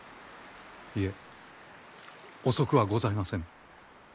いえ遅くはございません。